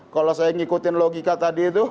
kalau saya ngikutin logika tadi itu